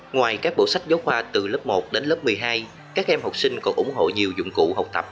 ngoài các bộ sách giáo khoa từ lớp một đến lớp một mươi hai các em học sinh còn ủng hộ nhiều dụng cụ học tập